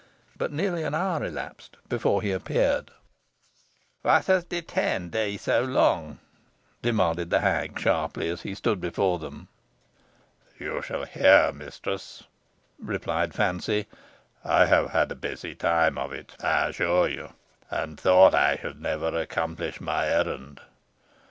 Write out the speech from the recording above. But nearly an hour elapsed before he appeared. "What has detained thee so long?" demanded the hag, sharply, as he stood before them. "You shall hear, mistress," replied Fancy: "I have had a busy time of it, I assure you, and thought I should never accomplish my errand.